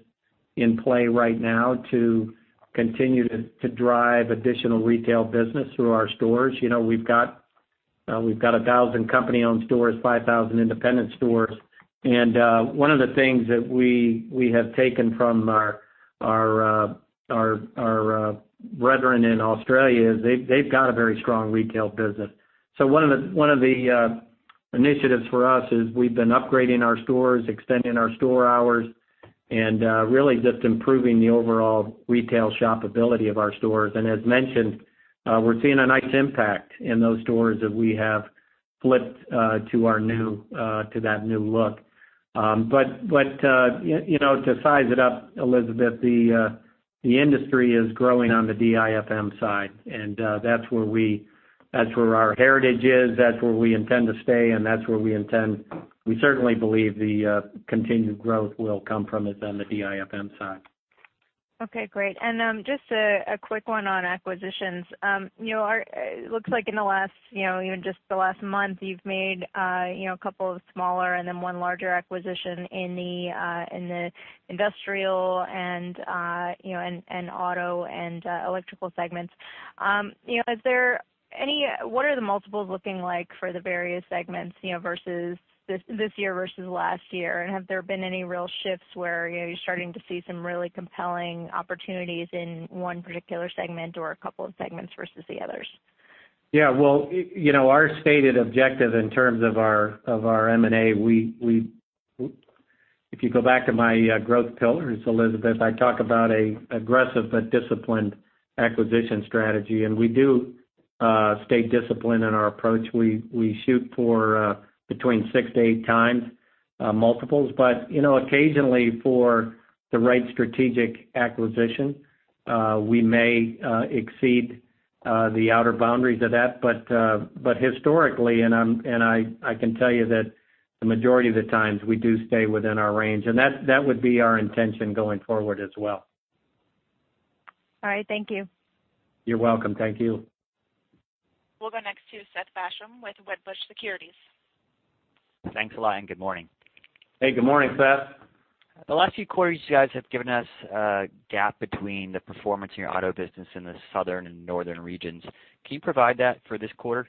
in play right now to continue to drive additional retail business through our stores. We've got 1,000 company-owned stores, 5,000 independent stores. One of the things that we have taken from our brethren in Australia is they've got a very strong retail business. One of the initiatives for us is we've been upgrading our stores, extending our store hours, and really just improving the overall retail shop ability of our stores. As mentioned, we're seeing a nice impact in those stores that we have flipped to that new look. To size it up, Elizabeth, the industry is growing on the DIFM side, and that's where our heritage is, that's where we intend to stay, and that's where we certainly believe the continued growth will come from is on the DIFM side. Okay, great. Just a quick one on acquisitions. It looks like in the last month, you've made a couple of smaller and then one larger acquisition in the industrial and auto and electrical segments. What are the multiples looking like for the various segments, this year versus last year? Have there been any real shifts where you're starting to see some really compelling opportunities in one particular segment or a couple of segments versus the others? Well, our stated objective in terms of our M&A, if you go back to my growth pillars, Elizabeth, I talk about an aggressive but disciplined acquisition strategy. We do stay disciplined in our approach. We shoot for between six to eight times multiples. Occasionally for the right strategic acquisition, we may exceed the outer boundaries of that. Historically, and I can tell you that the majority of the times, we do stay within our range, and that would be our intention going forward as well. All right. Thank you. You're welcome. Thank you. We'll go next to Seth Basham with Wedbush Securities. Thanks a lot, and good morning. Hey, good morning, Seth. The last few quarters, you guys have given us a gap between the performance in your auto business in the southern and northern regions. Can you provide that for this quarter?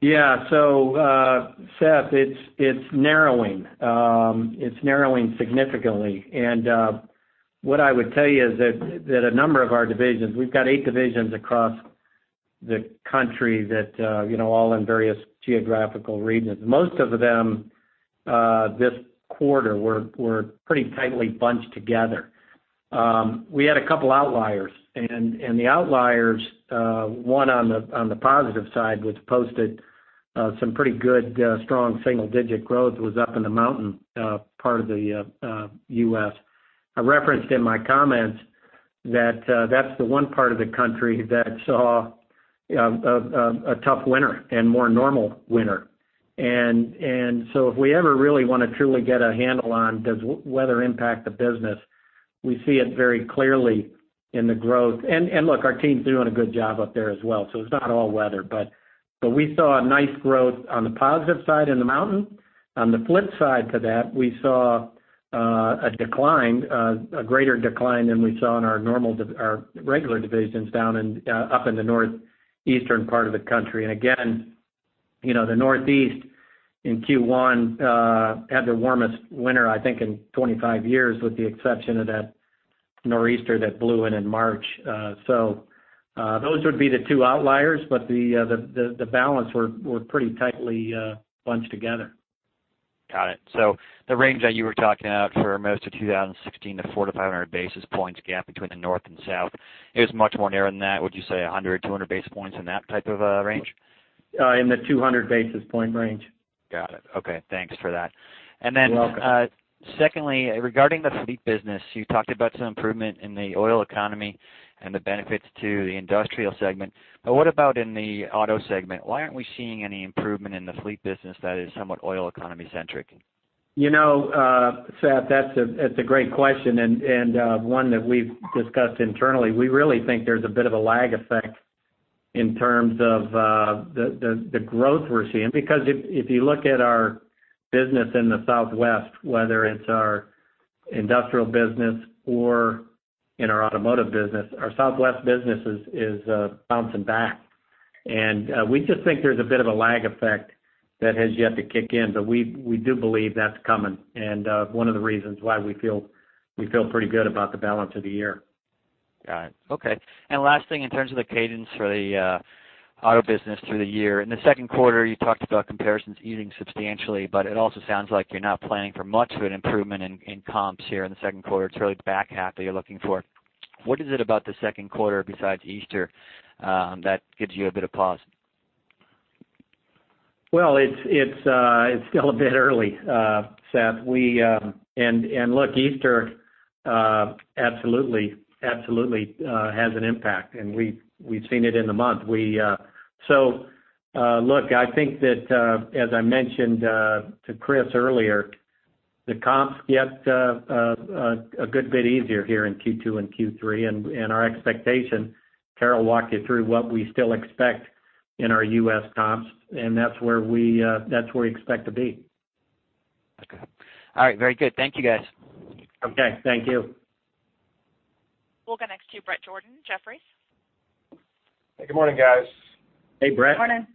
Yeah. Seth, it's narrowing significantly. What I would tell you is that a number of our divisions, we've got eight divisions across the country, all in various geographical regions. Most of them, this quarter, were pretty tightly bunched together. We had a couple outliers, and the outliers, one on the positive side, which posted some pretty good, strong single-digit growth was up in the mountain part of the U.S. I referenced in my comments that that's the one part of the country that saw a tough winter and more normal winter. If we ever really want to truly get a handle on does weather impact the business, we see it very clearly in the growth. Look, our team's doing a good job up there as well, so it's not all weather. We saw a nice growth on the positive side in the mountain. On the flip side to that, we saw a greater decline than we saw in our regular divisions up in the northeastern part of the country. Again, the Northeast in Q1 had their warmest winter, I think, in 25 years, with the exception of that nor'easter that blew in in March. Those would be the two outliers, but the balance were pretty tightly bunched together. Got it. The range that you were talking about for most of 2016, the 400-500 basis points gap between the north and south, it was much more narrow than that. Would you say 100-200 basis points, in that type of a range? In the 200 basis point range. Got it. Okay. Thanks for that. You're welcome. Secondly, regarding the fleet business, you talked about some improvement in the oil economy and the benefits to the industrial segment. What about in the auto segment? Why aren't we seeing any improvement in the fleet business that is somewhat oil economy centric? Seth, that's a great question, one that we've discussed internally. We really think there's a bit of a lag effect in terms of the growth we're seeing. If you look at our business in the Southwest, whether it's our industrial business or in our automotive business, our Southwest business is bouncing back. We just think there's a bit of a lag effect that has yet to kick in, but we do believe that's coming, and one of the reasons why we feel pretty good about the balance of the year. Got it. Okay. Last thing, in terms of the cadence for the auto business through the year. In the second quarter, you talked about comparisons easing substantially, it also sounds like you're not planning for much of an improvement in comps here in the second quarter. It's really the back half that you're looking for. What is it about the second quarter, besides Easter, that gives you a bit of pause? Well, it's still a bit early, Seth. Look, Easter absolutely has an impact, and we've seen it in the month. Look, I think that, as I mentioned to Chris earlier, the comps get a good bit easier here in Q2 and Q3. Our expectation, Carol walked you through what we still expect in our U.S. comps, and that's where we expect to be. Okay. All right. Very good. Thank you, guys. Okay. Thank you. We'll go next to Bret Jordan, Jefferies. Hey, good morning, guys. Hey, Bret. Morning.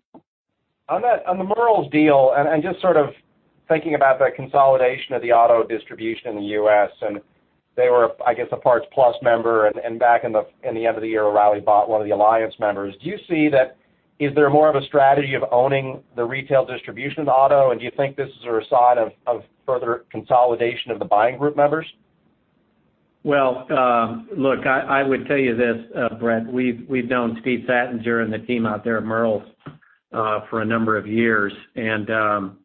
On the Merle's deal, just sort of thinking about the consolidation of the auto distribution in the U.S., they were, I guess, a Parts Plus member, back in the end of the year, O'Reilly bought one of the Alliance members. Is there more of a strategy of owning the retail distribution of auto, and do you think this is a sign of further consolidation of the buying group members? Well, look, I would tell you this, Bret. We've known Steve Sattinger and the team out there at Merle's for a number of years. Tucson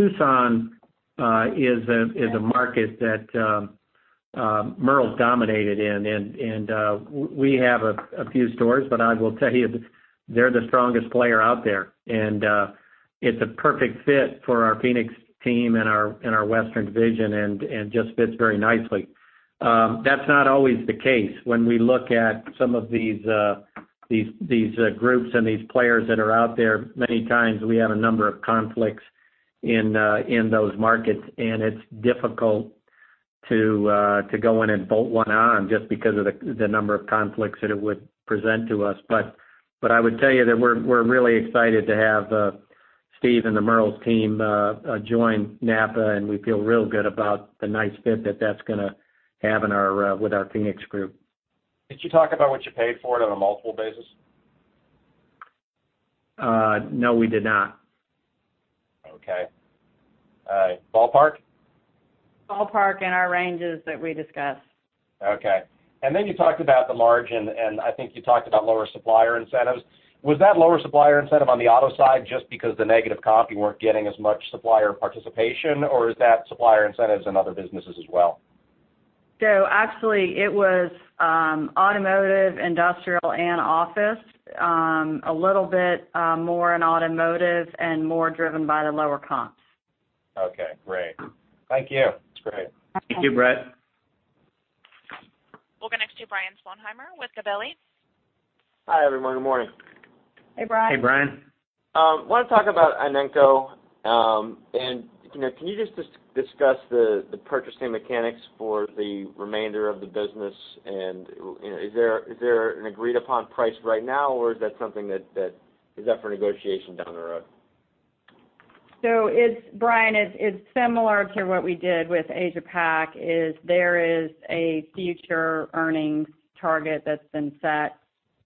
is a market that Merle's dominated in. We have a few stores, but I will tell you, they're the strongest player out there. It's a perfect fit for our Phoenix team and our western division and just fits very nicely. That's not always the case when we look at some of these groups and these players that are out there, many times we have a number of conflicts in those markets, it's difficult to go in and bolt one on just because of the number of conflicts that it would present to us. I would tell you that we're really excited to have Steve and the Merle's team join NAPA, we feel real good about the nice fit that that's going to have with our Phoenix group. Did you talk about what you paid for it on a multiple basis? No, we did not. Okay. Ballpark? Ballpark in our ranges that we discussed. Okay. Then you talked about the margin, and I think you talked about lower supplier incentives. Was that lower supplier incentive on the auto side just because the negative comp, you weren't getting as much supplier participation, or is that supplier incentives in other businesses as well? Actually, it was automotive, industrial, and office. A little bit more in automotive and more driven by the lower comps. Okay, great. Thank you. That's great. Okay. Thank you, Bret. We'll go next to Brian Sponheimer with Gabelli. Hi, everyone. Good morning. Hey, Brian. Hey, Brian. Wanted to talk about Inenco. Can you just discuss the purchasing mechanics for the remainder of the business? Is there an agreed-upon price right now, or is that for negotiation down the road? Brian, it's similar to what we did with Asia-Pac, there is a future earnings target that's been set,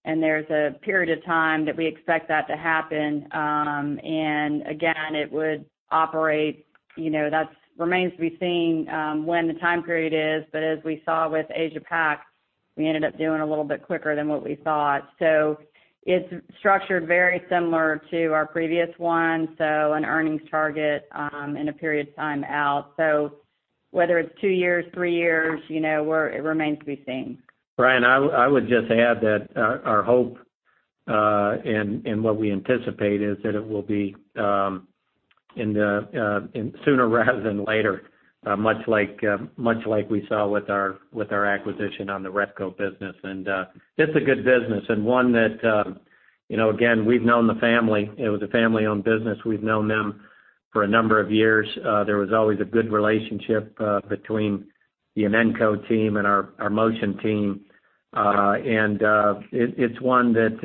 and there's a period of time that we expect that to happen. Again, it would operate, that remains to be seen when the time period is. As we saw with Asia-Pac, we ended up doing a little bit quicker than what we thought. It's structured very similar to our previous one, an earnings target and a period of time out. Whether it's two years, three years, it remains to be seen. Brian, I would just add that our hope and what we anticipate is that it will be sooner rather than later, much like we saw with our acquisition on the Repco business. It's a good business and one that, again, we've known the family. It was a family-owned business. We've known them for a number of years. There was always a good relationship between the Inenco team and our Motion team. It's one that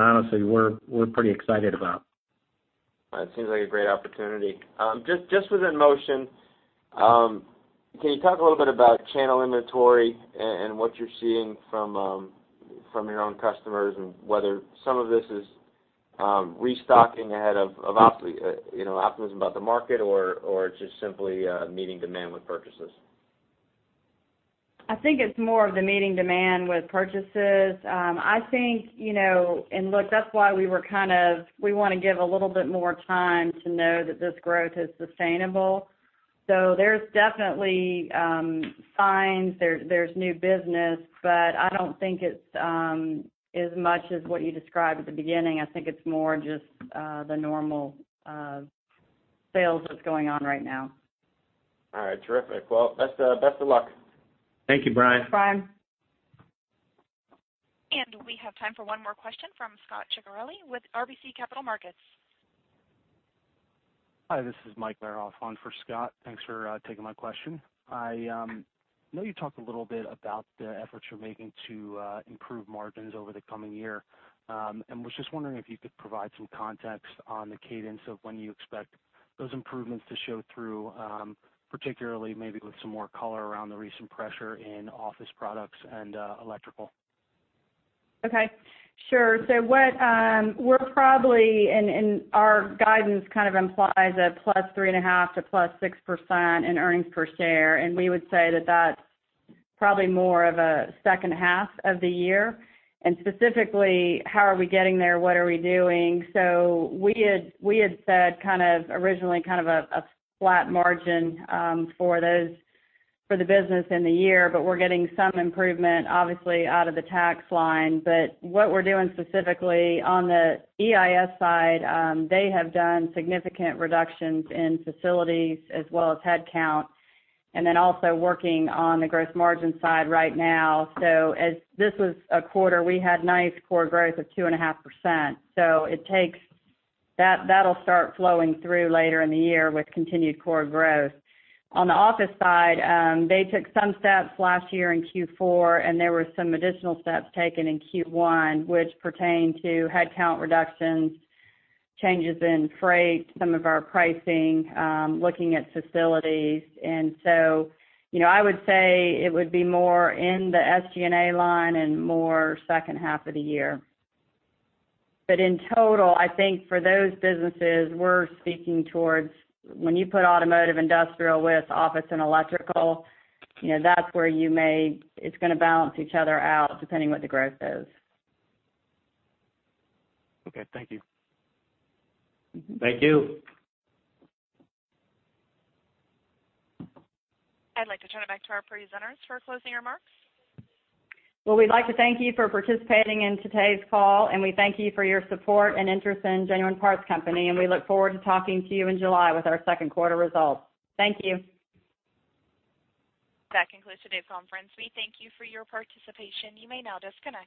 honestly, we're pretty excited about. It seems like a great opportunity. Just within Motion, can you talk a little bit about channel inventory and what you're seeing from your own customers and whether some of this is restocking ahead of optimism about the market or just simply meeting demand with purchases? I think it's more of the meeting demand with purchases. Look, that's why we want to give a little bit more time to know that this growth is sustainable. There's definitely signs there's new business, but I don't think it's as much as what you described at the beginning. I think it's more just the normal sales that's going on right now. All right. Terrific. Well, best of luck. Thank you, Brian. Brian. We have time for one more question from Scot Ciccarelli with RBC Capital Markets. Hi, this is Michael Lehrhoff on for Scot. Thanks for taking my question. I know you talked a little bit about the efforts you're making to improve margins over the coming year, was just wondering if you could provide some context on the cadence of when you expect those improvements to show through, particularly maybe with some more color around the recent pressure in office products and electrical. Okay, sure. We're probably, and our guidance kind of implies a +3.5% to +6% in EPS. We would say that that's probably more of a second half of the year. Specifically, how are we getting there? What are we doing? We had said originally kind of a flat margin for the business in the year, but we're getting some improvement obviously out of the tax line. What we're doing specifically on the EIS side, they have done significant reductions in facilities as well as headcount, and then also working on the gross margin side right now. As this was a quarter, we had nice core growth of 2.5%. That'll start flowing through later in the year with continued core growth. On the office side, they took some steps last year in Q4, and there were some additional steps taken in Q1 which pertained to headcount reductions, changes in freight, some of our pricing, looking at facilities. I would say it would be more in the SG&A line and more second half of the year. In total, I think for those businesses, we're speaking towards when you put automotive, industrial with office and electrical, it's going to balance each other out depending what the growth is. Okay. Thank you. Thank you. I'd like to turn it back to our presenters for closing remarks. Well, we'd like to thank you for participating in today's call, and we thank you for your support and interest in Genuine Parts Company, and we look forward to talking to you in July with our second quarter results. Thank you. That concludes today's conference. We thank you for your participation. You may now disconnect.